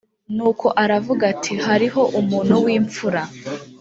nuko aravuga ati hariho umuntu w imfura